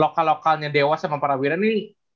lokal lokalnya dewa sama prawira ini